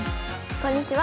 こんにちは。